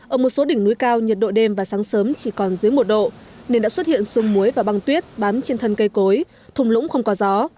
ở một số đỉnh núi cao nhiệt độ đêm và sáng sớm chỉ còn dưới một độ nên đã xuất hiện sương muối và băng tuyết bám trên thân cây cối thùng lũng không có gió